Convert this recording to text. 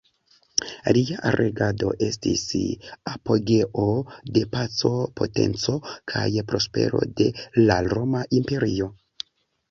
Lia regado estis la apogeo de paco potenco kaj prospero de la Roma imperio.